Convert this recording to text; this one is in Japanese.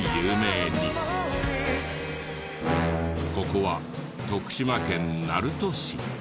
ここは徳島県鳴門市。